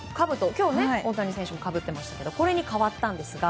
今日、大谷選手がかぶってましたけどこれに変わったんですが。